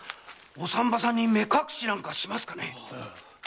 お産婆さんに目隠しなんかしますかね？